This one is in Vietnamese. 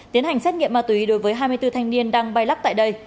tiến hành xét nghiệm ma túy đối với hai mươi bốn thanh niên đang bay lắc tại đây